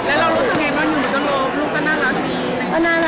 แล้วเรารู้สึกยังไงบ้างอยู่ด้วยตอนรอบลูกก็น่ารักดี